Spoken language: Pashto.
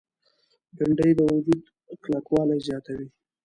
بېنډۍ د وجود کلکوالی زیاتوي